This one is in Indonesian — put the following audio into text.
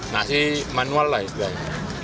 nasi manual lah istilahnya